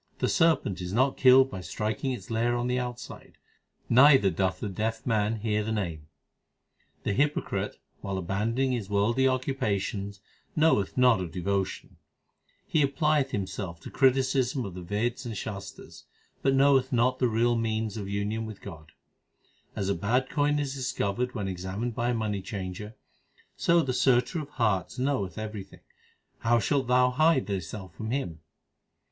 The serpent is not killed by striking its lair on the out side, neither doth the deaf man hear the Name. 288 THE SIKH RELIGION The hypocrite while abandoning his worldly occupations knoweth not of devotion ; He applieth himself to criticism of the Veds and the Shastars, but knoweth not the real means of union with God. As a bad coin l is discovered when examined by a money changer, So the Searcher of hearts knoweth everything ; how shalt thou hide thyself from Him